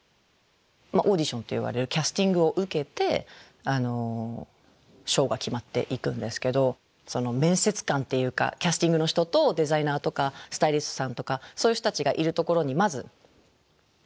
オーディションっていわれるキャスティングを受けてショーが決まっていくんですけど面接官っていうかキャスティングの人とデザイナーとかスタイリストさんとかそういう人たちがいるところにまず入っていくじゃないですか。